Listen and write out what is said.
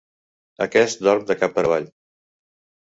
Aquest dorm de cap per avall.